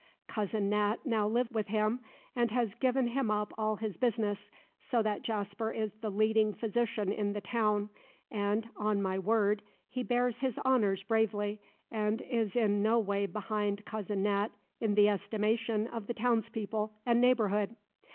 Cousin Nat now lives with him, and has given him up all his business, so that Jasper is the leading physician in the town, and, on my word, he bears his honours bravely, and is in no way behind cousin Nat in the estimation of the townspeople and neighbourhood.